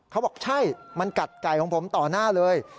เขาบอกใช่มันกัดไก่ของผมต่อหน้าเลย